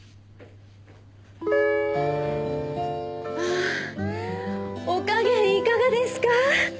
ああお加減いかがですか？